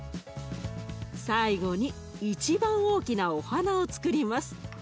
最後に一番大きなお花をつくります。